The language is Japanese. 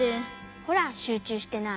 ほらしゅうちゅうしてない。